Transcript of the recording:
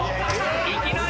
いきなり？